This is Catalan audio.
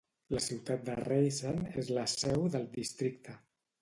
La ciutat de Raisen és la seu del districte.